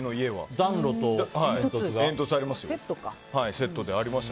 暖炉と煙突ありますよ。